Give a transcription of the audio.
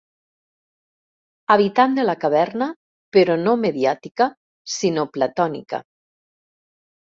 Habitant de la caverna, però no mediàtica sinó platònica.